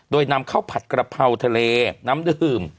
โดยนำข้าวผัดกระเพราทะเลน้ำดื่ม